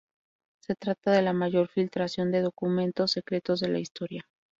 Se trata de la mayor filtración de documentos secretos de la historia.